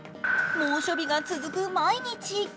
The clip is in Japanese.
猛暑日が続く毎日。